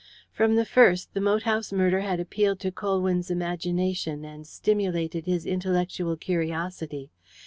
From the first the moat house murder had appealed to Colwyn's imagination and stimulated his intellectual curiosity.